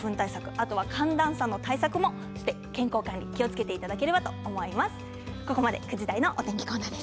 あとは寒暖差の対策もして健康管理に気をつけていただければと思います。